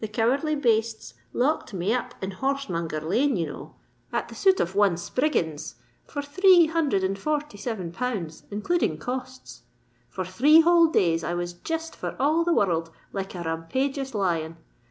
The cowardly bastes locked me up in Horsemonger Lane, ye know, at the suit of one Spriggins, for three hundred and forty seven pounds, including costs. For three whole days I was jest for all the world like a rampagious lion.